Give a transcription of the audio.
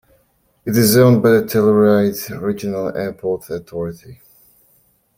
It is owned by the Telluride Regional Airport Authority.